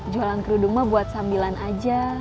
jualan kerudungnya buat sambilan aja